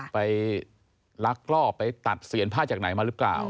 ไปลักลอบไปตัดเสียนผ้าจากไหนมาหรือเปล่า